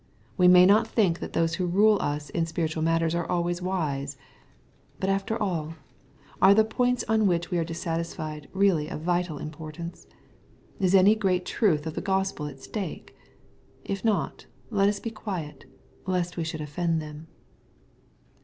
We may not think that those who rule us in spiritual matters are always wise. • But after all, Are the points on which we are dissatisfied really of vital importance ? Is any great tf nth of the Gospel at stake ? If not, let us be quiet, " lest we should offend them."